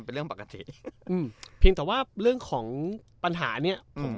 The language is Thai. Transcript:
เป็นเรื่องปกติอืมเพียงแต่ว่าเรื่องของปัญหาเนี้ยอืม